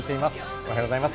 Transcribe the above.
おはようございます。